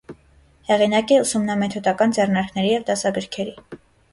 Հեղինակ է ուսումնամեթոդական ձեռնարկների ու դասագրքերի։